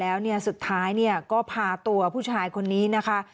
แล้วเนี่ยสุดท้ายเนี่ยก็พาตัวผู้ชายคนนี้นะคะ